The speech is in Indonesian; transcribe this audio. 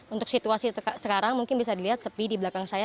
untuk situasi sekarang mungkin bisa dilihat sepi di belakang saya